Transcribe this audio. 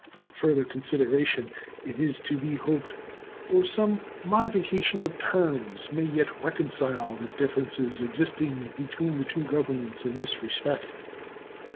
Further consideration, it is to be hoped, or some modification of terms, may yet reconcile the differences existing between the two Governments in this respect.